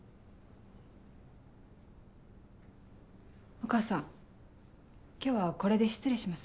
お母さん今日はこれで失礼します。